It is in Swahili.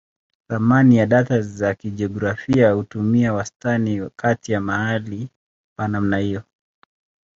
Ramani na data za kijiografia hutumia wastani kati ya mahali pa namna hiyo.